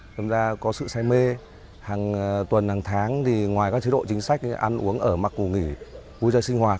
chúng ta có sự say mê hàng tuần hàng tháng thì ngoài các chế độ chính sách ăn uống ở mặc ngủ nghỉ vui chơi sinh hoạt